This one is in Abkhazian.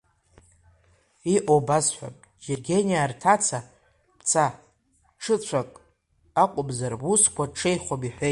Иҟоу басҳәап, џьергениаа рҭаца, бца, бҽыҵәак акәымзар, бусқәа ҽеихом иҳәеит.